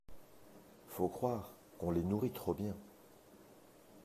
Faut croire qu’on les nourrit trop bien.